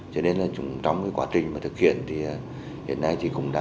cho nên là trong cái quá trình mà thực hiện thì hiện nay